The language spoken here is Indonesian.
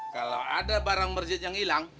kalau ada barang merjid yang hilang